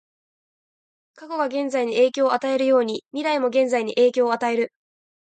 過去が現在に影響を与えるように、未来も現在に影響を与える。